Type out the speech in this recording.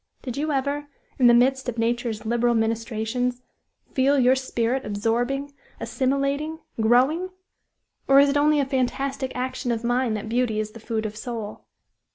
Did you ever, in the midst of nature's liberal ministrations, feel your spirit absorbing, assimilating, growing? Or is it only a fantastic action of mine that beauty is the food of soul?"